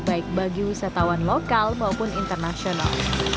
baik bagi wisatawan lokal maupun internasional